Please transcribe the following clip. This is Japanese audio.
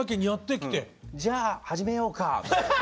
「じゃあ始めようか」みたいに。